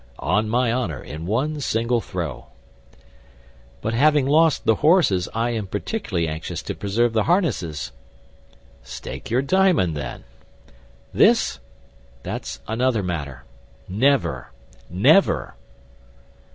"On my honor, in one single throw." "But having lost the horses, I am particularly anxious to preserve the harnesses." "Stake your diamond, then." "This? That's another matter. Never, never!"